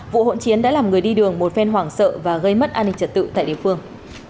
vụ hỗn chiến đã làm người đi đường một phen hoảng sợ và gây mất an ninh trật tự tại địa phương